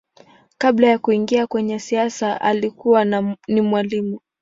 Kabla ya kuingia kwenye siasa alikuwa ni mwalimu.